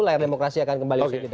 layar demokrasi akan kembali